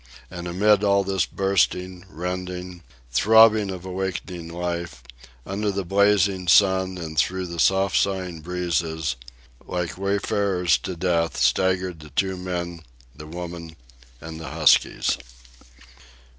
And amid all this bursting, rending, throbbing of awakening life, under the blazing sun and through the soft sighing breezes, like wayfarers to death, staggered the two men, the woman, and the huskies.